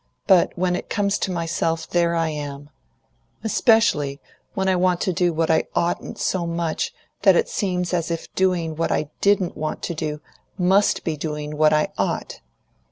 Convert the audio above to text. But when it comes to myself, there I am! Especially, when I want to do what I oughtn't so much that it seems as if doing what I didn't want to do MUST be doing what I ought!